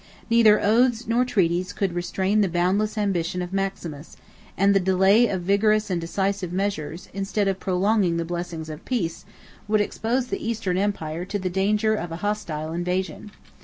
Neither oaths nor treaties could restrain the boundless ambition of Maximus; and the delay of vigorous and decisive measures, instead of prolonging the blessings of peace, would expose the Eastern empire to the danger of a hostile invasion.